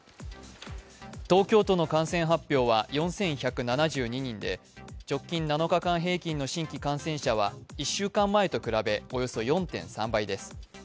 東京都の感染発表は４１７２人で直近７日間平均の新規感染者は１週間前と比べおよそ４．３倍です。